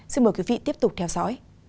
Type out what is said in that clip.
xin mời quý vị tiếp tục theo dõi